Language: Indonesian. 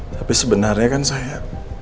tapi sebenarnya kan saya